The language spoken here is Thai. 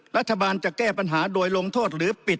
รัฐบาลจะแก้ปัญหาโดยลงโทษหรือปิด